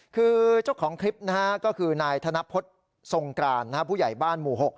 คือเจ้าของคลิปนะฮะก็คือนายธนพฤษทรงกรานผู้ใหญ่บ้านหมู่๖